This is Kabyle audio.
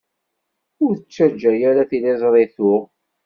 Ur ttaǧǧa ara tiliẓri tuɣ.